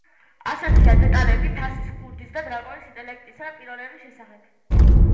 ასეთია დეტალები თასის ქურდის და დრაკონის ინტელექტისა და პიროვნების შესახებ.